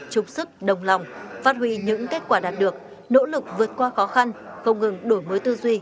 trục sức đồng lòng phát huy những kết quả đạt được nỗ lực vượt qua khó khăn không ngừng đổi mới tư duy